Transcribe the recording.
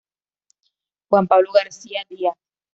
Juan Pablo García Díaz.